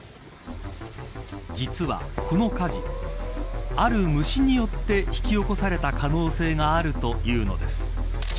実は、この火事ある虫によって引き起こされた可能性があるというのです。